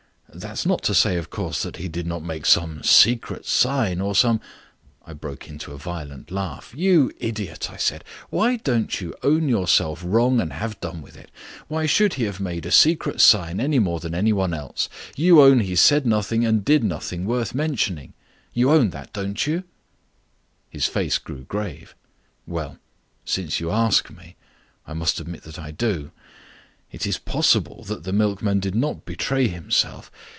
That is not to say, of course, that he did not make some secret sign or some " I broke into a violent laugh. "You idiot," I said, "why don't you own yourself wrong and have done with it? Why should he have made a secret sign any more than any one else? You own he said nothing and did nothing worth mentioning. You own that, don't you?" His face grew grave. "Well, since you ask me, I must admit that I do. It is possible that the milkman did not betray himself.